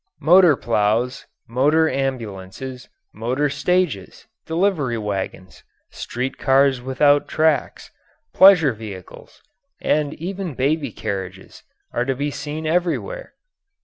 Motor plows, motor ambulances, motor stages, delivery wagons, street cars without tracks, pleasure vehicles, and even baby carriages, are to be seen everywhere.